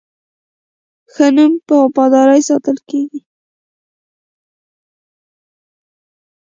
ښه نوم په وفادارۍ ساتل کېږي.